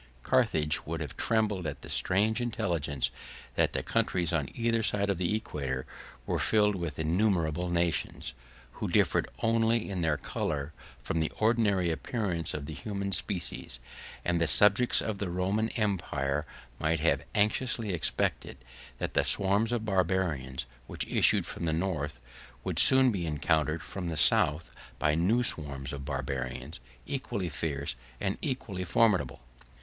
130 Carthage would have trembled at the strange intelligence that the countries on either side of the equator were filled with innumerable nations, who differed only in their color from the ordinary appearance of the human species: and the subjects of the Roman empire might have anxiously expected, that the swarms of Barbarians, which issued from the North, would soon be encountered from the South by new swarms of Barbarians, equally fierce and equally formidable.